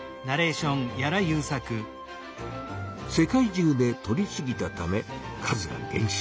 世界中でとりすぎたため数がげん少。